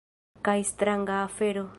Kaj stranga afero.